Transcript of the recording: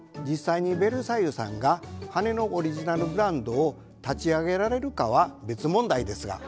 実際にベルサイユさんが羽のオリジナルブランドを立ち上げられるかは別問題ですが。